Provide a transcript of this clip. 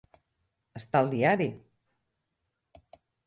Està al diari.